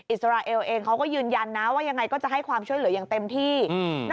อิสราเอลเองเขาก็ยืนยันนะว่ายังไงก็จะให้ความช่วยเหลืออย่างเต็มที่